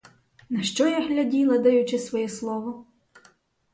На що я гляділа, даючи своє слово?